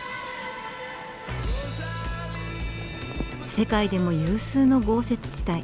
世界でも有数の豪雪地帯。